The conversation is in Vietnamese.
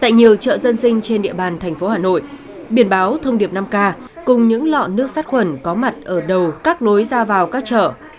tại nhiều chợ dân sinh trên địa bàn thành phố hà nội biển báo thông điệp năm k cùng những lọ nước sát khuẩn có mặt ở đầu các lối ra vào các chợ